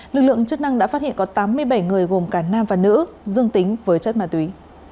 lực lượng chức năng đã phát hiện có tám mươi bảy người gồm cả nam và nữ dương tính với chất ma túy